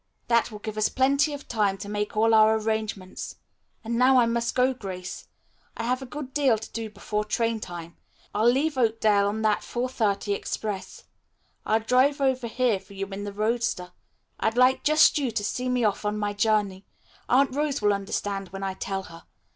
"That will give us plenty of time to make all our arrangements. And now I must go, Grace. I have a good deal to do before train time. I'll leave Oakdale on that 4.30 express. I'll drive over here for you in the roadster. I'd like just you to see me off on my journey. Aunt Rose will understand when I tell her.